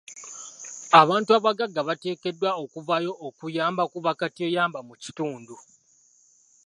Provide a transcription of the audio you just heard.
Abantu abagagga bateekeddwa okuvaayo okuyamba ku bakateyamba mu kitundu.